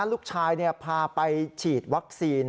ลูกชายพาไปฉีดวัคซีน